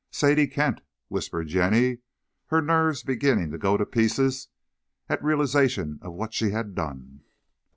"Sadie Kent," whispered Jenny, her nerves beginning to go to pieces at realizaton of what she had done.